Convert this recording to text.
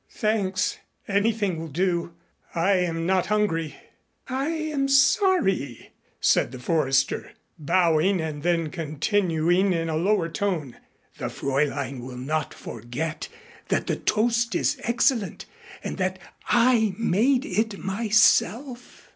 "Thanks, anything will do. I am not hungry." "I am sorry," said the Forester, bowing and then continuing in a lower tone: "The Fräulein will not forget that the toast is excellent and that I made it myself."